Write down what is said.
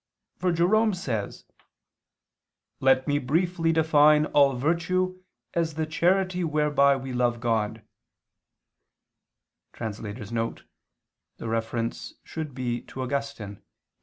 For Jerome says: "Let me briefly define all virtue as the charity whereby we love God" [*The reference should be to Augustine, Ep.